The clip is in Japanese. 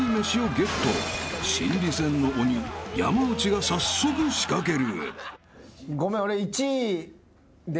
［心理戦の鬼山内が早速仕掛ける］